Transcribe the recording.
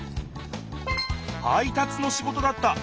配達の仕事だった。